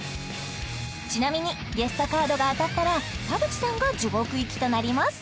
ちなみにゲストカードが当たったら田渕さんが地獄行きとなります